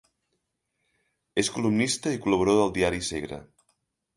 És columnista i col·laborador del Diari Segre.